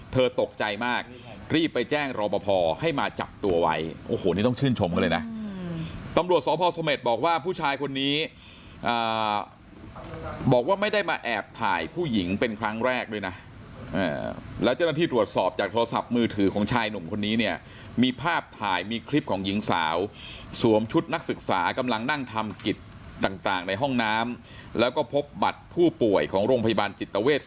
เธอตกใจมากรีบไปแจ้งรบพอให้มาจับตัวไว้โอ้โหนี่ต้องชื่นชมเลยนะตำรวจสพสมมติบอกว่าผู้ชายคนนี้บอกว่าไม่ได้มาแอบถ่ายผู้หญิงเป็นครั้งแรกด้วยนะแล้วเจ้าหน้าที่ตรวจสอบจากโทรศัพท์มือถือของชายหนุ่มคนนี้เนี่ยมีภาพถ่ายมีคลิปของหญิงสาวสวมชุดนักศึกษากำลังนั่งทำกิจต่างในห้